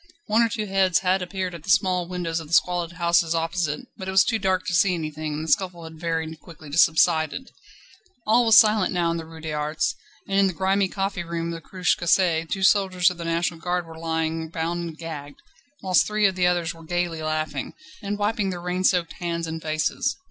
One or two heads had appeared at the small windows of the squalid houses opposite, but it was too dark to see anything, and the scuffle had very quickly subsided. All was silent now in the Rue des Arts, and in the grimy coffee room of the Cruche Cassée two soldiers of the National Guard were lying bound and gagged, whilst three others were gaily laughing, and wiping their rain soaked hands and faces.